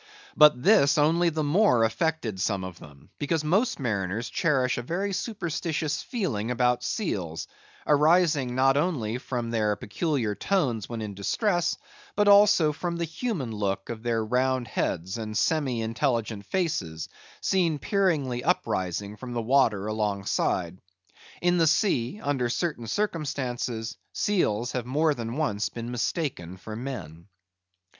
But this only the more affected some of them, because most mariners cherish a very superstitious feeling about seals, arising not only from their peculiar tones when in distress, but also from the human look of their round heads and semi intelligent faces, seen peeringly uprising from the water alongside. In the sea, under certain circumstances, seals have more than once been mistaken for men.